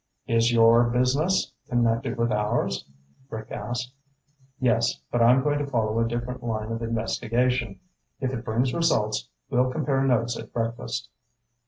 "Is your business connected with ours?" Rick asked. "Yes, but I'm going to follow a different line of investigation. If it brings results, we'll compare notes at breakfast."